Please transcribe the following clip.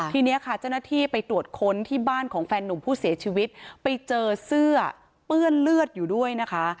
ทีนี้ค่ะเจ้าหน้าที่ไปตรวจค้นที่บ้านของแฟนหนุ่มผู้เสียชีวิตไปเจอเสื้อเปื้อนเลือดอยู่ด้วยนะคะ